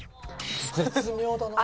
絶妙だな。